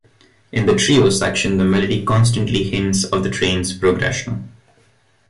In the trio section the melody constantly hints of the train's progression.